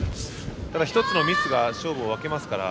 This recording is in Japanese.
ただ１つのミスが勝負を分けますから。